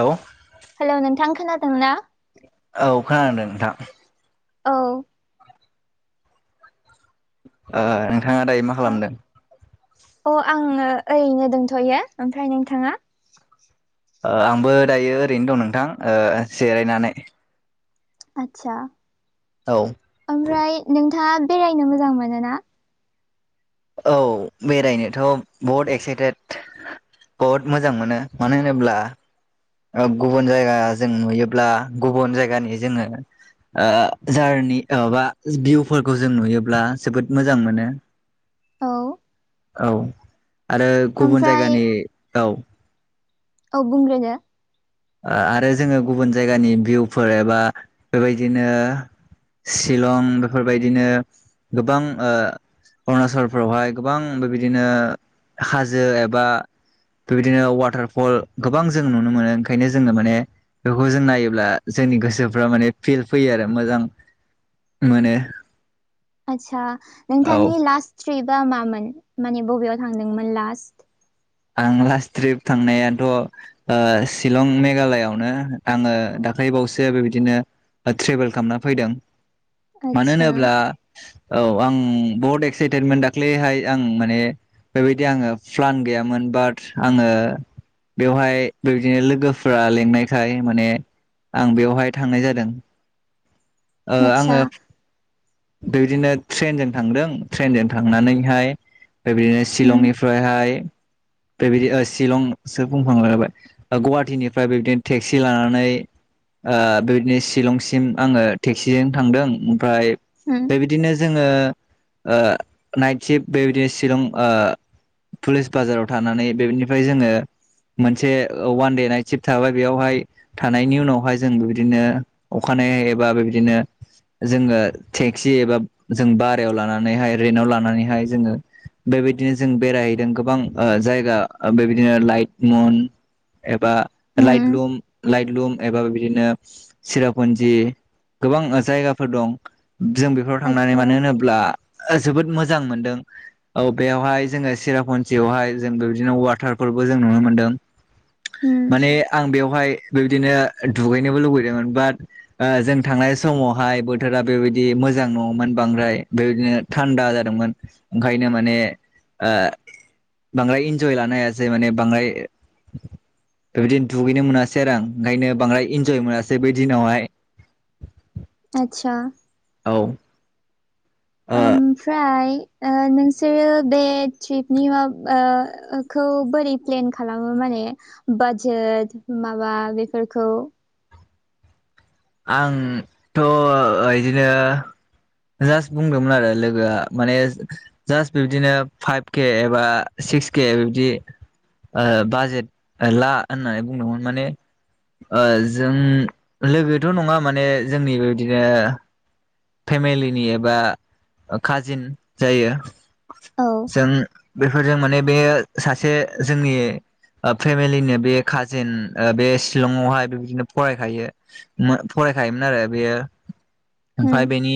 Hello hello नोंथां खोनादों ना? औ खोनादों नोंथां। औ ओ नोंथाङा दायो मा खालामदों? अ आङो ओरैनो दोनथ'यो ओमफ्राय नोंथाङा आंबो दायो ओरैनो दं नोंथां जिरायनानै आतसा औ ओमफ्राय नोंथाङा बेरायनो मोजां मोनो ना? औ बेरायनोथ' बहुत एक्साइटेड बहुत मोजां मोनो मानो होनोब्ला गुबुन जायगा जों नुयोब्ला गुबुन जायगानि जोङो ओ जारनि माबा भिउफोरखौ जों नुयोब्ला जोबोद मोजां मोनो। औ औ आरो गुबुन ओमफ्राय जायगानि औ औ बुंग्रोदो आरो जोङो गुबुन जायगानि भिउफोर एबा बेबायदिनो सिलं बेफोरबायदिनो गोबां ओ अरुणाचलफ्रावहाय गोबां बेबायदिनो हाजो एबा बेबायदिनो अवाटारफल गोबां जों नुनो मोनो। एखायनो जोङो माने बेखौ जों नायोब्ला जोंनि गोसोफ्रा माने फिल फैयो आरो मोजां मोनो आचसा औ नोंथांनि लास्ट ट्रिपा मामोन माने बबेयाव थांदोंमोन लास्ट आं लास्ट ट्रिप थांनायाथ' शिलं मेघालयआवनो आङो दाख्लैबावसो बेबायदिनो ट्रेभेल खालामना फैदों मानो आतसा होनोब्ला औ आं बहुद एक्साइटेदमोन दाख्लैहाय आं माने बेबायदि आङो प्लान गैया मोन बाट आङो बेवहाय बेबायदिनो लोगोफ्रा लिंनायखाय माने आं बेवहाय थांनाय जादों। ओ आतसा आङो बेबायदिनो ट्रेनजों थांदों ट्रेनजों थांनानैहाय बेबायदिनो उम सिलंनि फ्रायहाय बेबायदि ओ सिलंसो बुंफ्रांलायबाय गुवाहाटिनिफ्राय बिबदिनो टेक्सि लानानै ओ बेबायदिनो सिलंसिम आङो टेक्सिजों थांदों ओमफ्राय उम बिदिनो जोङो ओ नाइट सिफ्ट बेबायदिनो शिलं ओ पुलिस बाजाराव थानानै बेनिफ्राय जोङो मोनसे अवान दे नाइट सिप थाबाय बेयावहाय थानायनि उनावहाय जों बिबदिनो अखानायै एबा बेबायदिनो जोङो टेक्सि एबा जों बारायाव लानानैहाय रेन्टाव लानानैहाय जोङो बेबायदिनो जों बेरायहैदों गोबां जायगा बेबायदिनो लाइट मुन एबा उम लाइट लुम लाइट लुम एबा बिदिनो चिरापुन्जि गोबां जायगाफोर दं जों बेफोराव थांनानै आतसा मानो होनोब्ला जोबोद मोजां मोनदों। औ बेयावहाय जोङो सिरापन्जियावहाय जों बे बिबदिनो वाटारफोरबो जों नुनो मोन्दों। उम माने आं बेवहाय बेबायदिनो दुगैनोबो लुुबैदोंमोन बाट जों थांनाय समावहाय बोथोरा बेबायदि दि मोजां नङामोन बांद्राय बेबायदिनो थान्दा जादोंमोन ओंखायनो माने ओ बांद्राय इन्जय लानो हायासै माने बांद्राय बेबायदिनो दुगैनो मोनासै आरो आं ओंखायनो बांद्राय इन्जय मोनासै बै दिनावहाय आतसा औ ओ ओमफ्राय ओ नोंसोरो बे ट्रिपनि मा ओ खौ बोरै प्लेन खालामो माने बाजेट माबा बेफोरखौ आंथ' इदिनो जास्ट बुंदोंमोन आरो लोगोआ माने जास्ट बिबदिनो फाइभ के एबा सिक्स के बिबदि ओ बाजेट ला होननानै बुंदोंमोन माने ओ जों लोगोथ' नङा माने जोंनि बेबायदिनो फेमिलिनि एबा काजिन जायो औ जों बेफोरजों माने बेयो सासे जोंनि ओ फेमिलिनो बे काजिन ओ बे सिलंआवहाय बेबायदिनो फरायखायो मो फरायखायोमोन आरो बेयो ओमफ्राय उम बेनि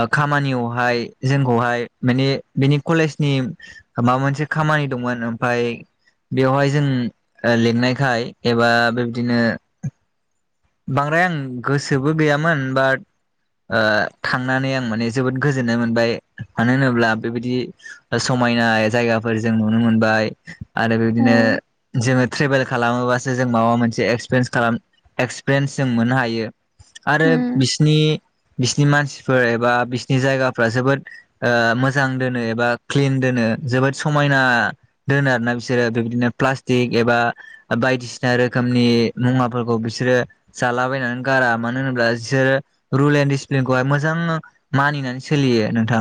ओ खामानियावहाय जोंखौहाय माने बेनि कलेजनि माबा मोनसे खामानि दंमोन ओमफाय बेवहाय जों लिंनायखाय एबा बेबादिनो बांद्राय आं गोसोबो गैयामोन बाट ओ थांनानै आं माने जोबोद गोजोननाय मोनबाय मानो होनोब्ला बेबायदि समायना जायगाफोर जों नुनो मोनबाय आरो औ बिबायदिनो जोङो ट्रेभेल खालामोबासो जों माबा मोनसे एक्सपिरियेन्स खालाम एक्स पिरियेन्स जों मोननो हायो आरो उम बिसिनि बिसिनि मानसिफोर एबा बिसिनि जायगाफोरा जोबोद ओ मोजां दोनो एबा क्लिन दोनो जोबोद समायना दोनो आरोना बिसोरो बेबायदिनो प्लास्टिक एबा बायदिसिना रोखोमनि मुवाफोरखौ बिसोरो जालाबायनानै गारा मानो होनोब्ला इसोरो रुल एन्ड डिसिप्लिनखौहाय मोजां मानिनानै सोलियो नोंथां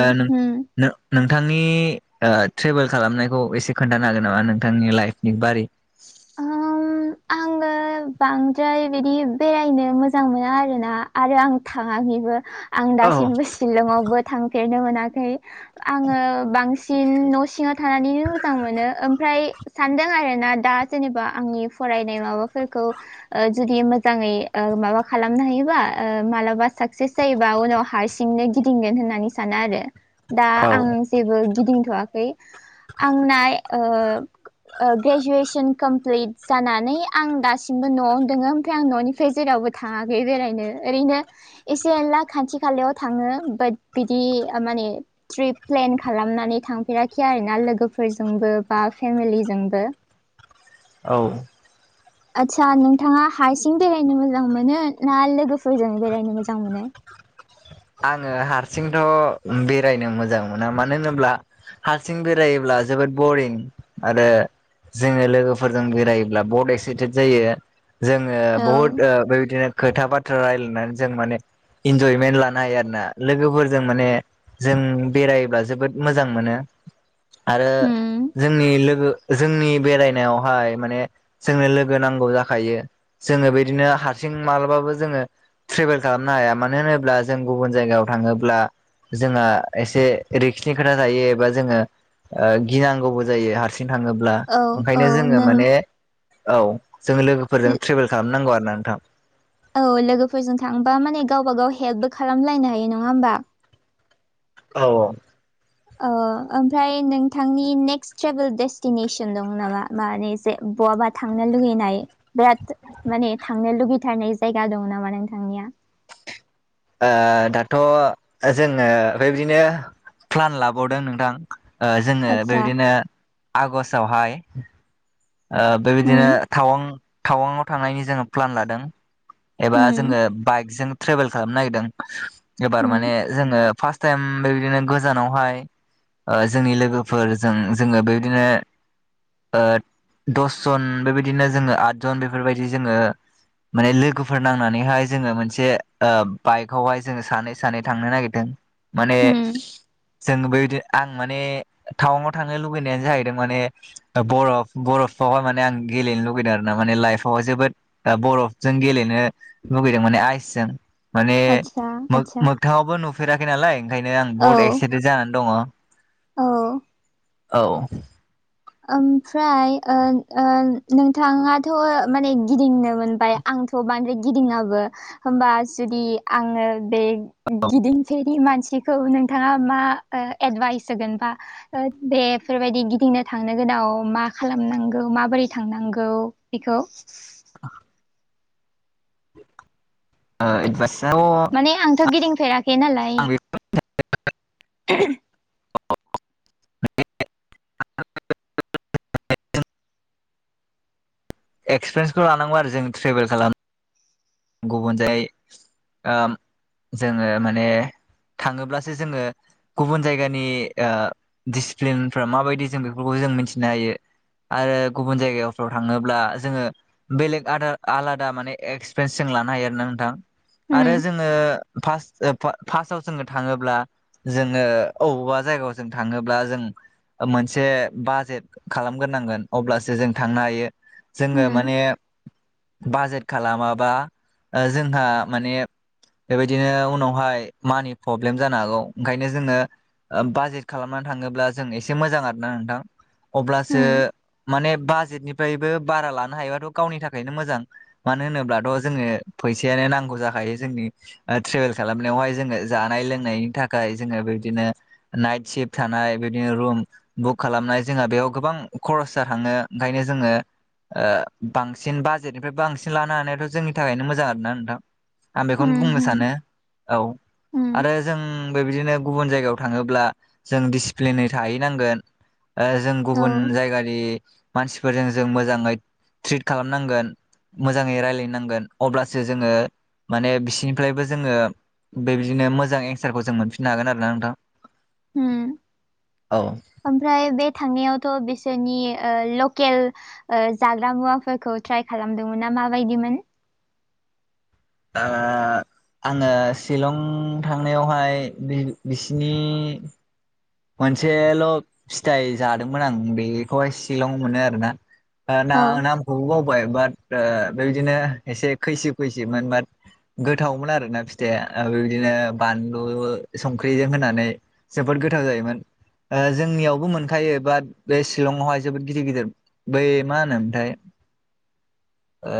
ओ नों उम नो-नोंथांनि ओ ट्रेभेल खालामनायखौ एसे खोन्थानो हागोन नामा नोंथांनि लाइफनि बारै आङो बांद्राय बिदि बेरायनो मोजां मोना आरोना आरो आं थाङाखैबो आं औ दासिमबो शिलंआवबो थांफेरनो मोनाखै आङो बांसिन न' सिङाव थानानैनो मोजां मोनो ओमफ्राय सानदों आरोना दा जेनेबा आंनि फरायनाय माबाफोरखौ ओ जुदि मोजाङै ओ माबा खालामनो हायोबा ओ मालाबा साकसेस जायोबा उनाव हार्स नो गिदिंगोन होननानै सानो आरो दा औ आं जेबो गिदिंथ'वाखै आंना ओ ओ ग्रेजुवेसन कमप्लिट जानानै आं दासिमबो न'आवनो दङो ओमफ्राय आं न'निफ्राय जेरावबो थाङाखै बेरायनो ओरैनो एसे एनला खाथि खालायाव थाङो बाट बिदि माने ट्रिप प्लेन खालामनानै थांफेराखै आरोना लोगोफोरजोंबो बा फेमिलिजोंबो औ आदसा नोंथाङा हारसिं बेरायनो मोजां मोनो ना लोगोफोरजों बेरायनो मोजां मोनो? आङो हारसिंथ' बेरायनो मोजां मोना मानो होनोब्ला हारसिं बेरायोब्ला जोबोद बरिं आरो जोङो लोगोफोरजों बेरायोब्ला बहुत एक्साइटेद जायो जों ओ औ बहुद बेबायदिनो खोथा बाथ्रा रायलायनानै जों मान इनजयमेन लानो नाय आरोना लोगोफोरजों माने जों बेरायब्ला जोबोद मोजां मोनो आरो उम जोंनि लोगो जोंनि बेरायनायावहाय माने जोंनो लोगो नांगौ जाखायो जोङो बिदिनो हारसिं माब्लाबाबो जोङो ट्रेभेल खालामनो हाया मानो होनोब्ला जों गुबुन जायगायाव थाङोब्ला जोंहा एसे रिक्सनि खोथा थायो एबा जोङो ओ गिनांगौबो जायो हारसिं थाङोब्ला औ औ ओंखायनो जोङो नों माने औ जों लोगोफोरजों ट्रेभेल खालामनांगौ आरो ना नोंथां औ लोगोफोरजों थांबा माने गावबा गाव हेल्पबो खालामलायनो हायो नङा होमबा औ औ ओ ओमफ्राय नोंथांनि नेक्स्ट ट्रेभेल डेस्टिनेसन दं नामा मान जे बवाबा थांनो लुगैनाय बिराद माने थांनो लुगैथारनाय जायगा दं नामा नोंथांनिया ओ दाथ' जोङो बेबायदिनो प्लान लाबावदों नोंथां ओ जोङो आतसा बेबायदिनो आगषटावहाय ओ बेबायदिनो होम तावां टावांआव थांनायनि जोङो प्लान लादों एबा होम जोङो बाइकजों ट्रेभेल खालामनो नागिरदों एबार होम माने जोङो फार्स्ट टाइम बेबायदिनो गोजानावहाय जोंनि लोगोफोरजों जोङो बेबायदिनो ओ दस जन बेबायदिनो जोङो आदजन बेफोरबायदि जोङो माने लोगोफोर नांनानैहाय जोङो मोनसे ओ बाइकआवहाय जोङो सानै सानै थांनो नागिरदों माने होम जों बेदि आं माने टावांआव थांनो लुबैनायानो जाहैदों माने बरफ बरफावहाय माने आं गेलेनो लुगैदों आरो ना माने लाइफआवहाय जोबोद बरफजों गेलेनो लुगैदों माने आइसजों माने आतसा मो आतसा मो मोगथाङावबो नुफेराखै नालाय ओंखायनो आं औ बहुत एक्सा बिदि जानानै दङ औ औ ओमफ्राय ओ ओ नोंथाङाथ' माने गिदिंनो मोनबाय आंथ' बांद्राय गिदिङाबो होमबा जुदि आङो बे गिदिंफेरि मानसि खौ नोंथाङा मा एडभाइस होगोन बा बेफोरबायदि गिदिंनो थांनो गोनाङाव मा खालामनांगौ माबोरै थांनांगौ बेखौ आ ओ एदबास [unintelligible] माने आंथ' गिदिंफेराखै नालाय [inaudible] आ [unintelligible] एक्सिरियन्सखौ लानांगौ आरो जों ट्रेभल खालाम गुबुनजाय जोङो माने थाङोब्लासो जोङो गुबुन जायगानि ओ डिसिप्लिनफ्रा माबायदि जों बेफोरखौ जों मिथिनो हायो। आरो गुबुन जायगाफ्राव थाङोब्ला जोङो बेलेग आद आलादा माने एस फ्रेन्स सिं लानो हायो आरो ना नोंथां आरो उम जोङो फासट फार्स्टआव जोङो थाङोब्ला जोङो अबावबा जायगायाव जों थाङोब्ला जों मोनसे बाजेट खालामग्रोनांगोन अब्लासो जों थांनो हायो जोङो उम माने बाजेट खालामा बा ओ जोंहा माने बेबायदिनो उनावहाय मानि प्रब्लेम जानो हागौ ओंखायनो जोङो बाजेट खालामनानै थाङोब्ला जों एसे मोजां आरोना नोंथां अब्लासो उम माने बाजेटनि बारा लानो हायोबाथ' गावनि थाखायनो मोजां मानो होनोब्ला थ'' जोंनो फैसायानो नांगौ जाखायो जोंनि ओ ट्रेबेल खालामनायावहाय जोंङो जानाय-लोंनायनि थाखाय जोंङो बिदिनो नाइट सिफ्ट थानाय बिदिनो रुम बुक खालामनाय जोंहा बेयाव गोबां खरसा थाङो ओंखायनो जोङो ओ बांसिन बाजेटनिफ्राय बांसिन लानो हानायाथ' जोंनि थाखायनो मोजां आरोना नोंथां आं बेखौनो उम बुंनो उम सानो औ उम आरो जों बेबायदिनो गुबुन जायगायाव थाङोब्ला। जों डिसिप्लिनै थाहैनांगोन जों औ गुबुन जायगानि मानसिफोरजों जों मोजाङै ट्रिट खालामनांगोन मोजाङै रायाय नांगोन अब्लासो जोङो माने बिसोरनिफ्रायबो जोङो बेबायदिनो मोजां एन्सारखौ जों मोनफिननो हागोन आरो ना नोंथां। हम औ। ओमफ्राय बे थांनायावथ' बिसोरनि ओ ल'केल ओ जाग्रा मुवाफोरखौ ट्राय खालामदोंमोन माबायदिमोन। ओ आङो शिलं थांनायावहाय बिसिनि मोनसेल' फिथाइ जादोंमोन आं बेखौहाय सिलं मोनो आरोना। ना औ नामखौबो बावबाय बाट बेबायदिनो एसे खैसि खैसिमोन बाट गोथावमोन आरोना फिथाइया बे बिदिनो बानलु, संख्रिजों होनानै जोबोद गोथाव जायोमोन। ओ जोंनियावबो मोनखायो बाद बे शिलंआवहाय जोबोद गिदिर गिदिर बै मा होनोमोथाय ओ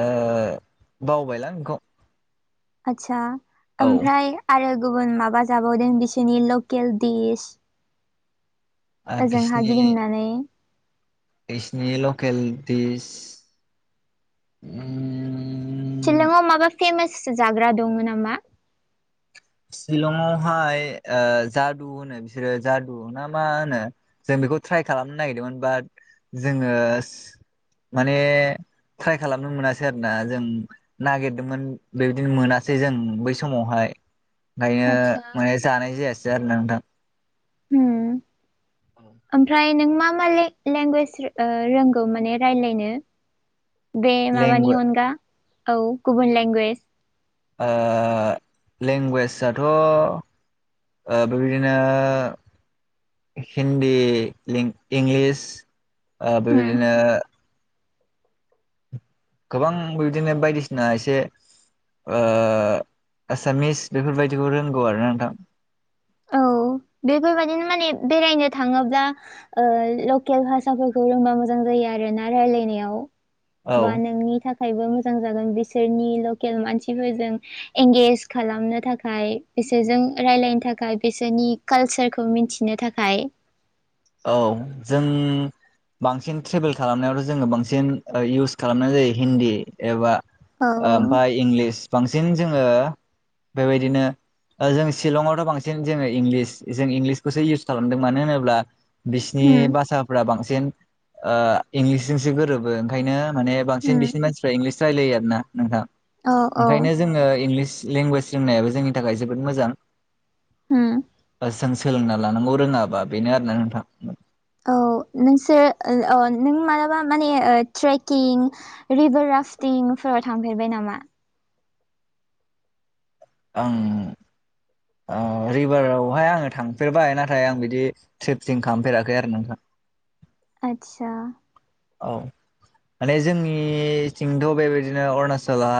बावबायलां इखौ आदसा औ ओमफ्राय आरो गुबुन माबा जाबावदों बिसोरनि लकेल दिस ओजोंहा गिदिंनानै बिसोरनि लकेल दिस उम शिलंआव माबा फेमास जाग्रा दङ नामा? शिलंआवहाय जादु होनो बिसोरो जादु ना मा होनो जों बेखौ ट्राय खालामनो नागिरदोंमोन बाट जोंङो माने ट्राय खालामनो मोनासै आरोना जों नागिरदोंमोन बेबायदिनो मोनासै जों बै समावहाय ओंखायनो आदसा माने जानाय जायासै आरो ना नोंथां। ओमफ्राय नों मा लेंगुवेज रो ओ रोंगौ माने रायलायनो बे माबानि लेंगुवे अनगा औ गुबुन लेंगुवेज ओ लेंगुवेजआथ' ओ दा बेबायदिनो हिन्दी लिं इंलिस ओ उम बेबायदिनो गोबां बेबायदिनो बायदिसिना एसे ओ एसामिस बेफोरबायदिखौ रोंगौ आरोना नोंथां। औ बेफोरबायदिनो माने बेरायनो थाङोब्ला लकेल भाषाफोरखौ रोंबा मोजां जायो आर ना रायलायनायाव औ बा नोंनि थाखायबो मोजां जागोन बिसोरनि लकेल मानसिफोरजों एंगेज खालामनो थाखाय बिसोरजों रायलायनो थाखाय थाखाय बिसोरनि कालचारखौ मिथिनो थाखाय औ जों बांसिन ट्रेबेल खालामनायावथ' जोंङो बांसिन इउस खालामनाय जायो हिन्दी एबा औ ओ ओमफाय इंलिस बांसिन जोङो बेबायदिनो ओ जों शिलंआवथ' बांसिन जोङो इंलिस जों इंलिसखौसो इउस खालामदों मानो होनोब्ला बिसिनि उम बासाफ्रा बांसिन ओ इंलिसजोंसो गोरोबोन ओंखायनो माने बांसिन उम बिसिनि मानसिफ्रा इंलिस रायलायो आरोना नोंथां। औ औ ओंखायनो जोङो इंलिस लेंगुवेज रोंनायाबो जोंनि थाखाय जोबोद मोजां। उम सां सोलोंना लानांगौ रोङाबा बेनो आरोना नोंथां [unintelligible] औ नोंसो ओ अ नों मालाबा माने ओ ट्रेकिं रिबार राफटिंफोराव थांफेरबाय नामा? आं ओ रिबारावहाय आङो थांफेरबाय नाथाय आं बिदि [unintelligible] थिं खामफेराखै आरो नोंथां। आदसा। औ माने जोंनिथिंथ' बेबायदिनो अरुणाचलहा